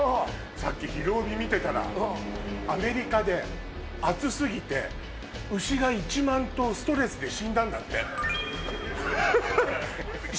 さっき「ひるおび」見てたらアメリカで暑すぎて牛が１万頭ストレスで死んだんだってええ